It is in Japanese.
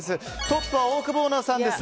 トップはオオクボーノさんです。